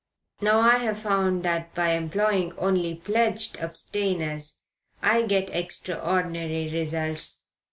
Now I have found that by employing only pledged abstainers I get extraordinary results.